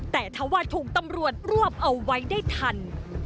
แต่ถ้าว่าถูกตำรวจรวบเอาไว้ได้ทัน